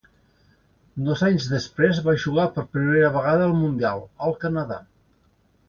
Dos anys després va jugar per primera vegada el Mundial, al Canadà.